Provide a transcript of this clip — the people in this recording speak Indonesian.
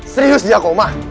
serius dia koma